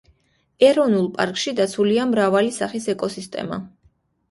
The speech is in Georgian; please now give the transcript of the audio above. ეროვნულ პარკში დაცულია მრავალი სახის ეკოსისტემა.